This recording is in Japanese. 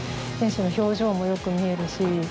選手の表情もよく見えるし。